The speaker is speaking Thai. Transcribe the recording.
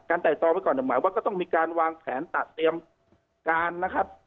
ไต่ตองไว้ก่อนหมายว่าก็ต้องมีการวางแผนตัดเตรียมการนะครับ